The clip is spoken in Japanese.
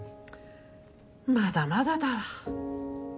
まだまだだわ。